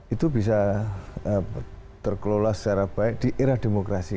itu bisa terkelola secara baik di era demokrasi